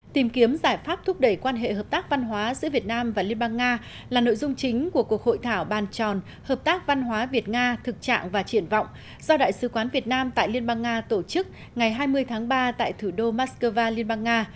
tìm kiếm giải pháp thúc đẩy quan hệ hợp tác văn hóa giữa việt nam và liên bang nga là nội dung chính của cuộc hội thảo bàn tròn hợp tác văn hóa việt nga thực trạng và triển vọng do đại sứ quán việt nam tại liên bang nga tổ chức ngày hai mươi tháng ba tại thủ đô moscow liên bang nga